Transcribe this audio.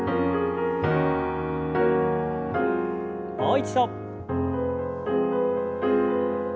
もう一度。